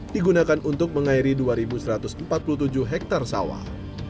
digunakan untuk mengairi dua satu ratus empat puluh tujuh hektare sawah